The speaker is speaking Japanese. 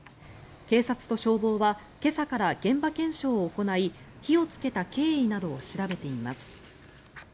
警察と消防は今朝から現場検証を行い火をつけた経緯などを調べています。